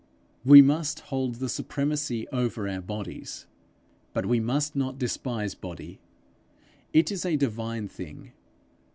We must hold the supremacy over our bodies, but we must not despise body; it is a divine thing.